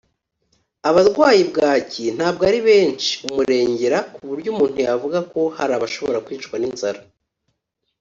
Abarwayi bwaki ntabwo ari benshi (umurengera) ku buryo umuntu yavuga ko hari abashobora kwicwa n’inzara